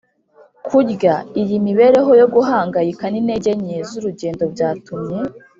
kurya. iyi mibereho yo guhangayika n'intege nke z'urugendo byatumye